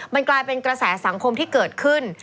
มันกลายเป็นกระแสสังคมที่เกิดขึ้น